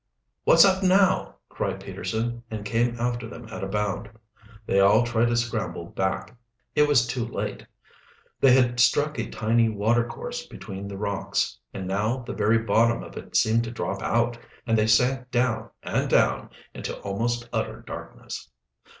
"What's up now?" cried Peterson, and came after them at a bound. Then all tried to scramble back. It was too late. They had struck a tiny water course between the rocks. And now the very bottom of it seemed to drop out, and they sank down and down into almost utter darkness.